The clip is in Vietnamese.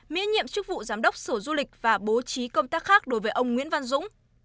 miễn nhiệm chức vụ giám đốc sở du lịch và bố trí công tác khác đối với ông nguyễn văn dũng